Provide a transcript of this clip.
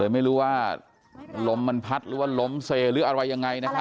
ไม่รู้ว่าลมมันพัดหรือว่าล้มเซหรืออะไรยังไงนะครับ